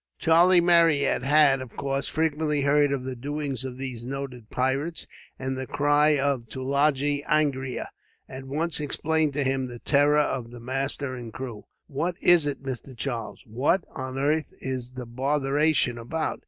Charlie Marryat had, of course, frequently heard of the doings of these noted pirates, and the cry of "Tulagi Angria" at once explained to him the terror of the master and crew. "What is it, Mr. Charles, what on earth is the botheration about?